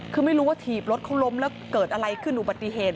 คือไม่รู้ว่าถีบรถเขาล้มแล้วเกิดอะไรขึ้นอุบัติเหตุ